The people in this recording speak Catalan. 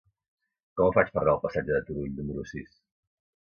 Com ho faig per anar al passatge de Turull número sis?